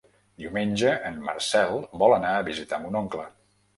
Diumenge en Marcel vol anar a visitar mon oncle.